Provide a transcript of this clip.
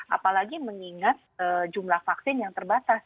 apalagi mengingat jumlah vaksin yang terbatas